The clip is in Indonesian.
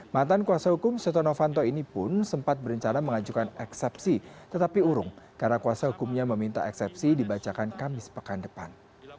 mantan kuasa hukum setonofanto ini pun sempat berencana mengajukan eksepsi tetapi urung karena kuasa hukumnya meminta eksepsi dibacakan kamis pekan depan